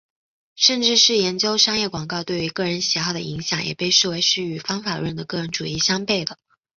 甚至是研究商业广告对于个人喜好的影响也被视为是与方法论的个人主义相背的。